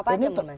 ya banyak mbak